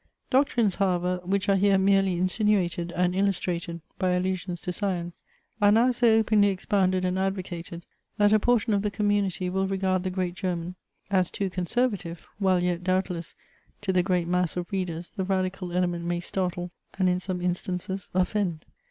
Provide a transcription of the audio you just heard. Doctrines, however, which are here merely insinuated and illustrated by allusions to science, are now so openly expounded and advo cated that a portion of the community will regard the great German as too conservative, while yet, doubtless, to the great mass of readers, the radical element mny startle, and in some instances offend.